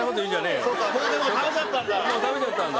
もう食べちゃったんだ。